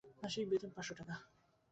মাসিক বেতন পাঁচ শ টাকা।